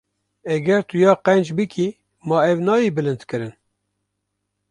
Eger tu ya qenc bikî, ma ew nayê bilindkirin?